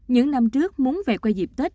những năm trước muốn về quê dịp tết